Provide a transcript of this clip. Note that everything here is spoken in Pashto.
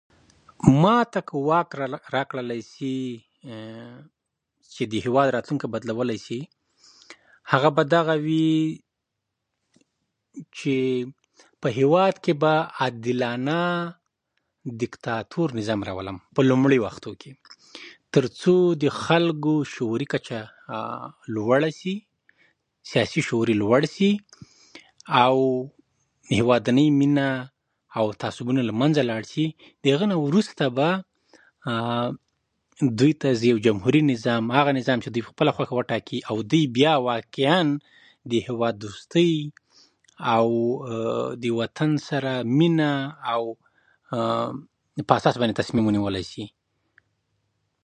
ماته که واک راکړل شي چې د هیواد راتلونکی بدلولای شي ممممم هغه به دغه وي چې هیواد کې به عادلانه دیکتاتور نظام راولم لومړي وختو کې تر څو د خلکو شعوري کچه لوړه شي سیاسي شعور يې لوړ شي او او هیوادنۍ مينه او تعصبونه له مينځه ولاړ شي له هغه نه وروسته به دوی ته یو جمهوري نظام هغه نظام چې دوی په خپله خوښه وټاکي او دوی بیا واقعین ممممم د هیواد دوستی او د وطن سره مينه په. اساس باندې تصمیم ونیولای شي